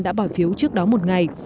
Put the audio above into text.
đã bỏ phiếu trước đó một ngày